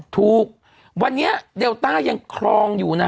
ถูกวันนี้เดลต้ายังครองอยู่นะ